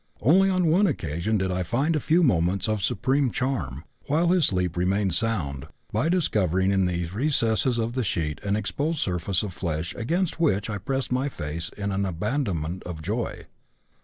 Only on one occasion did I find a few moments of supreme charm, while his sleep remained sound, by discovering in the recesses of the sheet an exposed surface of flesh against which I pressed my face in an abandonment of joy.